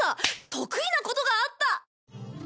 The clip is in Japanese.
得意なことがあった！